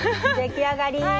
出来上がり！